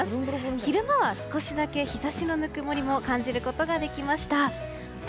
昼間は少しだけ日差しのぬくもりも感じることができました。